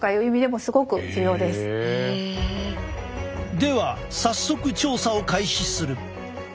では早速調査を開始する。